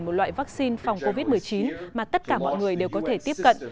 một loại vắc xin phòng covid một mươi chín mà tất cả mọi người đều có thể tiếp cận